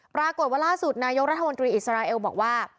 ปรากฏว่าล่าสุดนายกรัฐมนตรีอิสราเอลบอกว่า